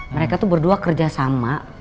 mereka tuh berdua kerja sama